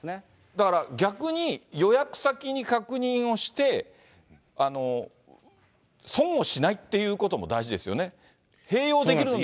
だから、逆に、予約先に確認をして、損をしないっていうことも大事ですよね。